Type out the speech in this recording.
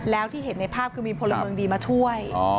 แล้วที่เห็นในภาพคือมีพลเมืองดีมาช่วย